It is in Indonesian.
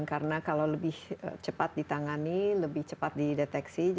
karena kalau lebih cepat ditangani lebih cepat dideteksi